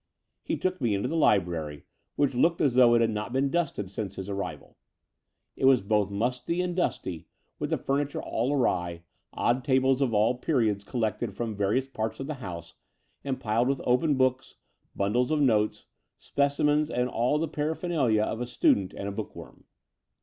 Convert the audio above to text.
He took me into the library, which looked as though it had not been dusted since his arrival. It was both musty and dusty, with the furniture all awry, odd tables of all periods collected from various parts of the house and piled with open books, bundles of notes, specimens, and all the paraphernalia of a student and a bookworm.